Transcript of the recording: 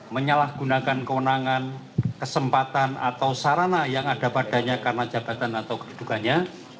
menyalahgunakan kewenangan kesempatan atau sarana yang ada padanya karena jabatan atau kedudukannya